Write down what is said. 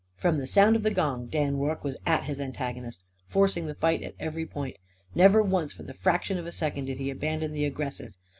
From the sound of the gong Dan Rorke was at his antagonist, forcing the fight at every point. Never once for the fraction of a second did he abandon the aggressive.